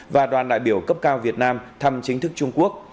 và đoàn đại biểu cấp cao việt nam thăm chính thức trung quốc